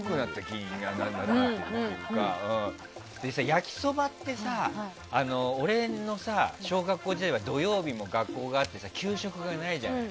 焼きそばってさ俺の小学校時代は土曜日も学校があって給食がないじゃない。